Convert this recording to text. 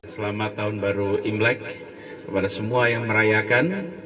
selamat tahun baru imlek kepada semua yang merayakan